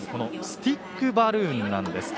スティックバルーンなんです。